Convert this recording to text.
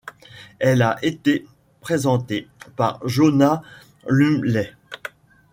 Elle a été présentée par Joanna Lumley.